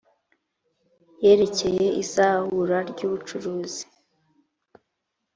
yerekeye izahura ry ubucuruzi